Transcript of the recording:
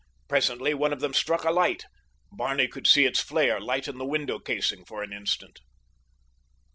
Presently one of them struck a light—Barney could see its flare lighten the window casing for an instant.